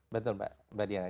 betul mbak diana